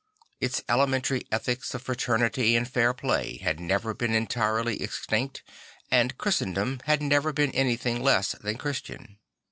Its elementary ethics of fraternity and fair play had never been entirely extinct and Christendom had never been anything less than Christian.